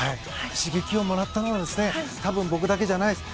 刺激をもらったのは多分僕だけじゃないです。